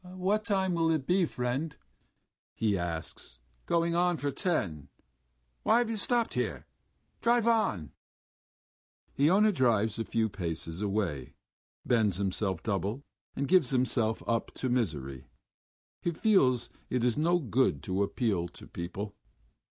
"What time will it be, friend?" he asks. "Going on for ten.... Why have you stopped here? Drive on!" Iona drives a few paces away, bends himself double, and gives himself up to his misery. He feels it is no good to appeal to people.